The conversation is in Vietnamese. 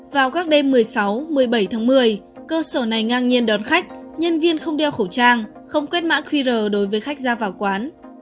vào các đêm một mươi sáu một mươi bảy tháng một mươi cơ sở này ngang nhiên đón khách nhân viên không đeo khẩu trang không quét mã qr đối với khách ra vào quán